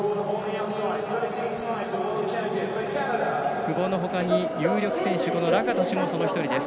久保のほかに有力選手ラカトシュもその１人です。